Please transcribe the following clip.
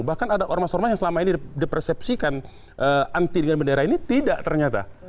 bahkan ada ormas ormas yang selama ini dipersepsikan anti dengan bendera ini tidak ternyata